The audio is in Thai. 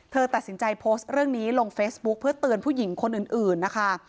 เธอตัดสินใจโพสต์เรื่องนี้ลงเฟซบุ๊คเพื่อเตือนผู้หญิงคนอื่นนะคะ